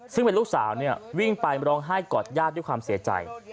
ซึ่งเป็นลูกสาววิ่งไปร้องไห้กอดญาติด้วยความเสียใจ